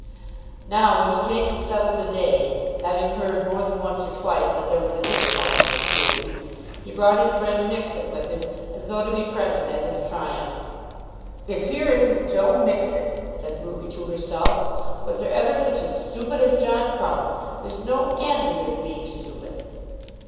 Now when he came to settle the day, having heard more than once or twice that there was a difficulty with Ruby, he brought his friend Mixet with him as though to be present at his triumph. "If here isn't Joe Mixet," said Ruby to herself. "Was there ever such a stoopid as John Crumb? There's no end to his being stoopid."